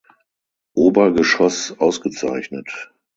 Obergeschoss ausgezeichnet.